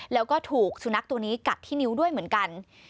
แล้วก็ถูกสุนัขตัวนี้กัดที่นิ้วด้วยเหมือนกัน